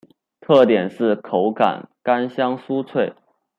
特点是口感干香酥脆。